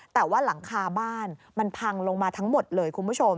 แต่ว่าหลังคาบ้านมันพังลงมาทั้งหมดเลยคุณผู้ชม